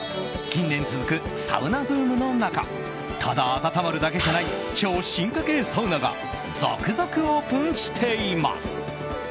近年続くサウナブームの中ただ温まるだけじゃない超進化系サウナが続々オープンしています。